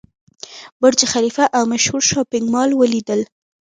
برج خلیفه او مشهور شاپینګ مال ولیدل.